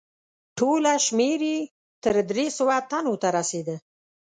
ټوله شمیر یې تر درې سوه تنو ته رسیده.